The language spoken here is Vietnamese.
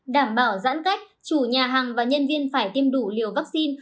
đảm bảo giãn cách chủ nhà hàng và nhân viên phải tiêm đủ liều vaccine